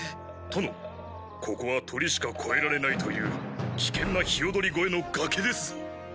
殿ここは鳥しか越えられないという危険なひよどり越の崖ですぞ。